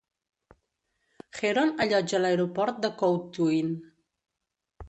Heron allotja l'aeroport de Couthuin.